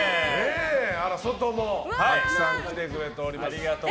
外も、たくさん来てくれております。